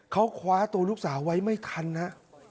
เขาคว้าตัวลูกสาวไว้ไม่ทันฮะ